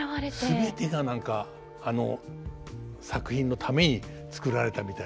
全てが何かあの作品のためにつくられたみたいな。